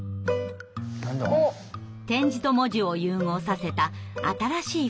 点字と文字を融合させた新しいフォントです。